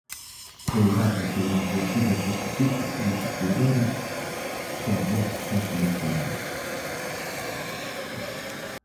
Foi grazas a iniciativas deste tipo como se puideron, só dez son seleccionados.